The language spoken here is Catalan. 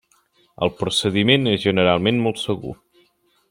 El procediment és generalment molt segur.